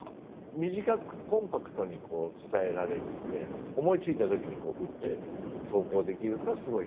短くコンパクトに伝えられるので思いついた時にこう打って投稿できるっていうのはすごい。